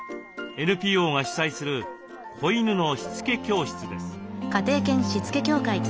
ＮＰＯが主催する子犬のしつけ教室です。